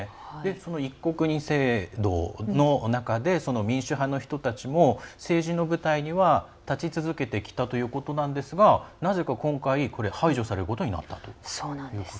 一国二制度の中で民主派の人たちも政治の舞台には立ち続けてきたということなんですがなぜか今回、排除されることになったということなんです。